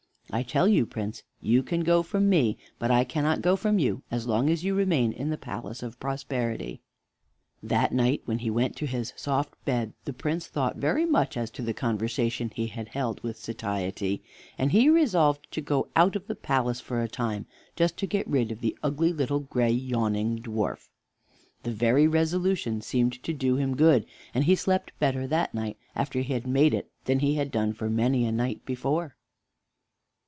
I tell you, Prince, you can go from me, but I cannot go from you as long as you remain in the palace of Prosperity." That night, when he went to his soft bed, the Prince thought very much as to the conversation he had held with Satiety, and he resolved to go out of the palace for a time, just to get rid of the ugly little gray, yawning dwarf. The very resolution seemed to do him good, and he slept better that night after he had made it than he had done for many a night before.